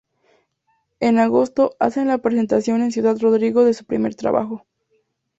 En agosto hacen la presentación en Ciudad Rodrigo de su primer trabajo.